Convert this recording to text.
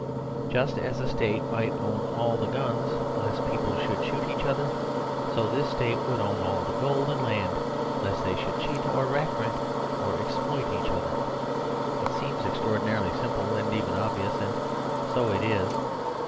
Just as a State might own all the guns lest people should shoot each other, so this State would own all the gold and land lest they should cheat or rackrent or exploit each other. It seems extraordinarily simple and even obvious; and so it is.